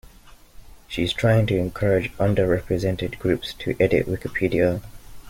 She's trying to encourage underrepresented groups to edit Wikipedia